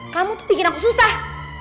kamu tuh bikin aku susah